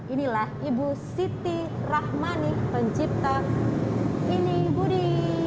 inilah ibu siti rahmani pencipta ini budi